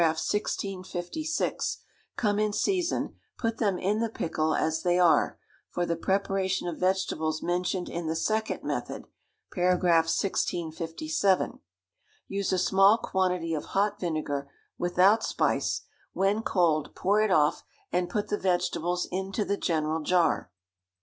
1656) come in season, put them in the pickle as they are; for the preparation of vegetables mentioned in the second method (par. 1657), use a small quantity of hot vinegar without spice; when cold, pour it off, and put the vegetables into the general jar.